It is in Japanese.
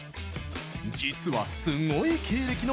実は、すごい経歴の